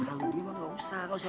orang ini mah tidak usah